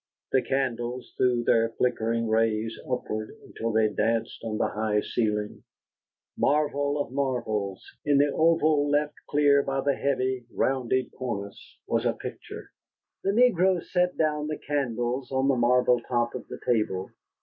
The candles threw their flickering rays upward until they danced on the high ceiling. Marvel of marvels, in the oval left clear by the heavy, rounded cornice was a picture. The negro set down the candles on the marble top of a table.